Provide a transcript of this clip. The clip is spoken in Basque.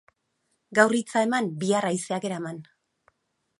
Gaur hitza eman, bihar haizeak eraman.